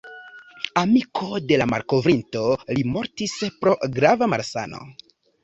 Amiko de la malkovrinto, li mortis pro grava malsano.